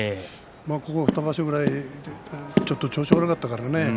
ここ２場所ぐらいちょっと調子が悪かったからね